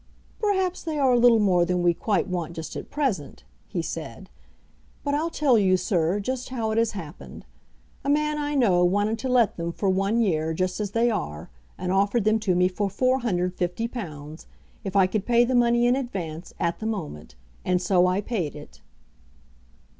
"Perhaps they are a little more than we quite want just at present," he said. "But I'll tell you, sir, just how it has happened. A man I know wanted to let them for one year, just as they are, and offered them to me for £450, if I could pay the money in advance, at the moment. And so I paid it."